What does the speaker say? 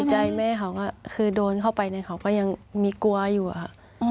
คือใจแม่เขาก็คือโดนเข้าไปในเขาก็ยังมีกลัวอยู่อะ